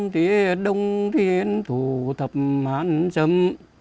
thế đông thiên thù thập hán xâm